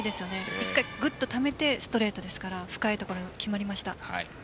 １回ためてストレートですから深いところに決まりました。